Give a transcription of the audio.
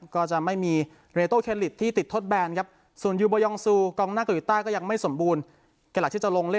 ก็จะไม่มีที่ติดทดแบนครับส่วนยูโบยองซูกองหน้ากับยูต้าก็ยังไม่สมบูรณ์